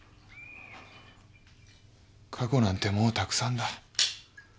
過去なんてもうたくさんだ。